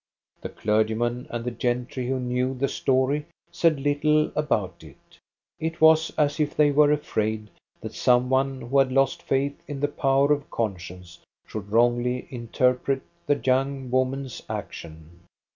The clergyman and the gentry who knew the story said little about it. It was as if they were afraid that some one who had lost faith in the power of con science should wrongly interpret the young woman's action.